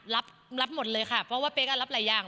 รับรับหมดเลยค่ะเพราะว่าเป๊กรับหลายอย่าง